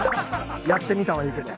やってみたはいいけど。